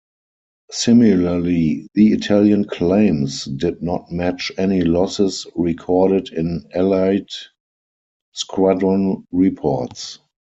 Similarly, the Italian claims did not match any losses recorded in Allied squadron reports.